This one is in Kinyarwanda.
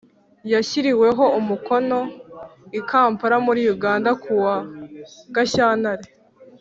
yashyiriweho umukono i Kampala muri Uganda ku wa Gashyantare